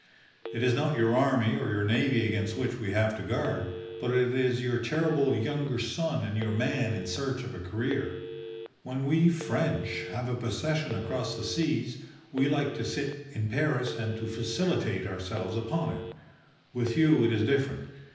It is not your army or your navy against which we have to guard, but it is your terrible younger son and your man in search of a career. When we French have a possession across the seas, we like to sit in Paris and to felicitate ourselves upon it. With you it is different.